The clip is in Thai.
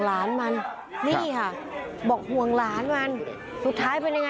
เธอกลัวก็เลยหนีไปเช่าห้องอยู่ในเมือง